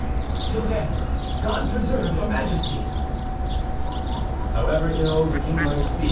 "Till then, God preserve your Majesty!" However ill the king might sleep, M.